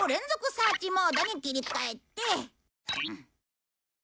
サーチモードに切り替えて。